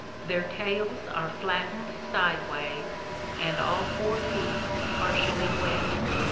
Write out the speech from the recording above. ... Their tails are flattened sideways, and all four feet partially webbed.